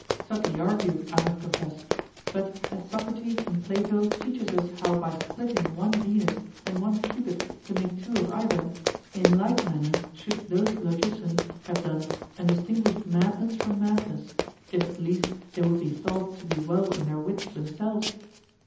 Subtly argued, I must confess, but as Socrates in Plato teaches us how by splitting one Venus and one Cupid to make two of either, in like manner should those logicians have done and distinguished madness from madness, if at least they would be thought to be well in their wits themselves.